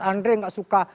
andre tidak suka